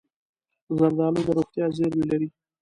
زردالو د روغتیا زېرمې لري.